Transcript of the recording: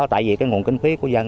tại vì cái nguồn kinh phí của dân